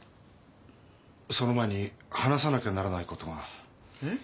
その前に話さなきゃならないことが。